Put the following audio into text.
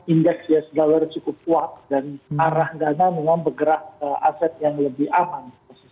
indeks ya sejauh ini cukup kuat dan arah dana memang bergerak ke aset yang lebih aman